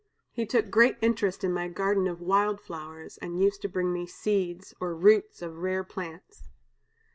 He took great interest in my garden of wild flowers, and used to bring me seeds, or roots, of rare plants.